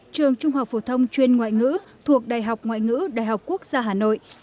trường trung học phổ thông chuyên ngoại ngữ thuộc đại học ngoại ngữ đại học quốc gia hà nội